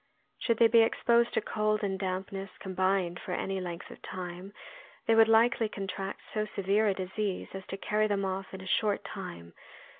Should they be exposed to cold and dampness combined for any length of time, they would likely contract so severe a disease as to carry them off in a short time.